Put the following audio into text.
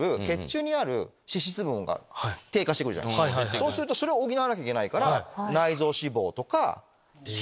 そうするとそれを補わなきゃいけないから。